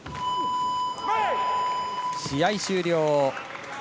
試合終了。